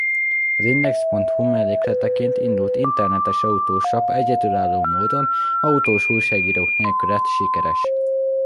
Az Index.hu mellékleteként indult internetes autós lap egyedülálló módon autós újságírók nélkül lett sikeres.